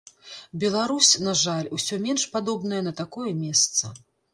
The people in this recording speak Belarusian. Беларусь, на жаль, усё менш падобная на такое месца.